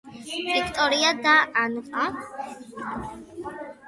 ვიქტორია და ანტონიო ქუჩაში ჩხუბობენ როდესაც ანტონიოს მოტოციკლი დაარტყამს და კვდება.